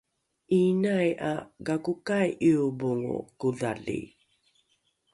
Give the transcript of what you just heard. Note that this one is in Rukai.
’iinai ’a gakokai ’iobongo kodhali?